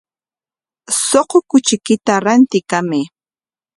Suqu kuchiykita rantikamay.